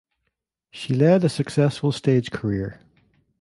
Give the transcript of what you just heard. She led a successful stage career.